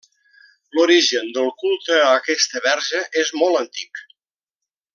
L'origen del culte a aquesta Verge és molt antic.